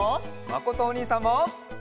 まことおにいさんも！